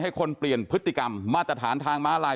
คนเปลี่ยนพฤติกรรมมาตรฐานทางม้าลาย